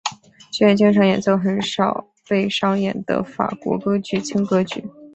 剧院经常演奏很少被上演的法国歌剧和轻歌剧。